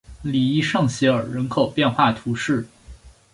里伊圣西尔人口变化图示